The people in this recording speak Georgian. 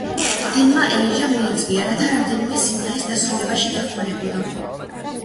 დენმა ეიჟა მიიწვია, რათა რამდენიმე სიმღერის დასრულებაში დახმარებოდა.